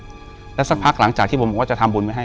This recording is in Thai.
เรื่องละสักพักหลังจากที่ผมแบบว่าจะทำบุญไปให้